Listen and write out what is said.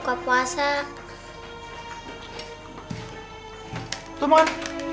salah makan depan